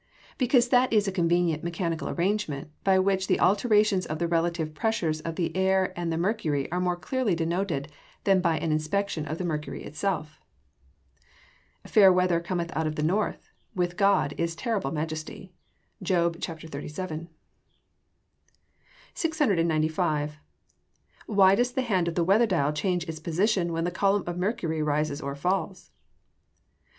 _ Because that is a convenient mechanical arrangement, by which the alterations of the relative pressures of the air and the mercury are more clearly denoted than by an inspection of the mercury itself. [Verse: "Fair weather cometh out of the north: with God is terrible majesty." JOB XXXVII.] [Illustration: Fig. 20. BAROMETER.] [Illustration: Fig. 21. TUBE OF BAROMETER, WHEEL, AND PULLEY.] 695. _Why does the hand of the weather dial change its position when the column of mercury rises or falls?